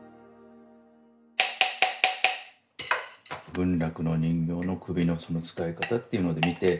文楽の人形の首の使い方っていうので見て。